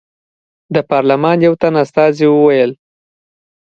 د پارلمان یو تن استازي وویل.